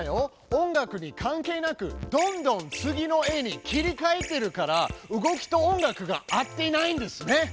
音楽に関係なくどんどん次の絵に切りかえてるから動きと音楽が合っていないんですね！